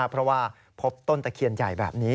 เพราะว่าพบต้นตะเคียนใหญ่แบบนี้